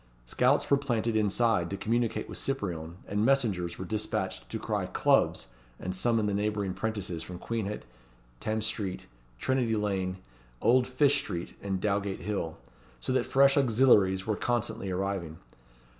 Scouts were planted inside, to communicate with Cyprien, and messengers were despatched to cry "Clubs!" and summon the neighbouring 'prentices from Queenhithe, Thames Street, Trinity Lane, Old Fish Street, and Dowgate Hill; so that fresh auxiliaries were constantly arriving.